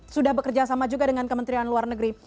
sudah bekerja sama juga dengan kementerian luar negeri